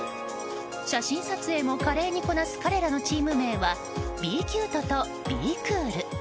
写真撮影も華麗にこなす彼らのチーム名は「＃ＢＣＵＴＥ」と「＃ＢＣＯＯＬ」。